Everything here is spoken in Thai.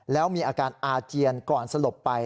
แล้วมีอาการอาเจียนก่อนสลบไป